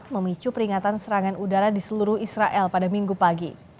memicu peringatan serangan udara di seluruh israel pada minggu pagi